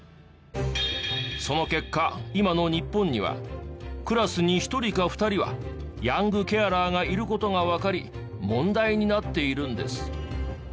その結果今の日本にはクラスに１人か２人はヤングケアラーがいる事がわかり問題になっているんです。